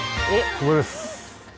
ここです。